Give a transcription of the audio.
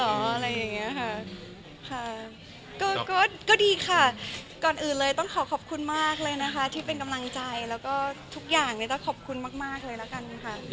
อะไรอย่างนี้ค่ะค่ะก็ดีค่ะก่อนอื่นเลยต้องขอขอบคุณมากเลยนะคะที่เป็นกำลังใจแล้วก็ทุกอย่างเนี่ยต้องขอบคุณมากเลยละกันค่ะ